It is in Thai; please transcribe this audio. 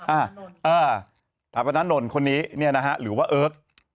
อ่าเออถาปนานนท์คนนี้เนี่ยนะฮะหรือว่าเอิร์ก